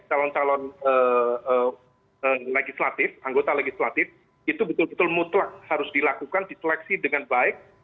calon calon legislatif anggota legislatif itu betul betul mutlak harus dilakukan diseleksi dengan baik